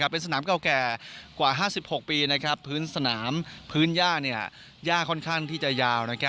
เป็นสนามเก่าแก่กว่า๕๖ปีพื้นสนามพื้นย่าย่าค่อนข้างที่จะยาว